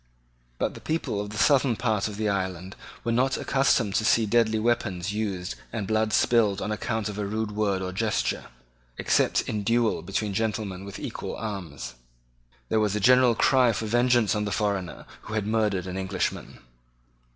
But the people of the southern part of the island were not accustomed to see deadly weapons used and blood spilled on account of a rude word or gesture, except in duel between gentlemen with equal arms. There was a general cry for vengeance on the foreigner who had murdered an Englishman.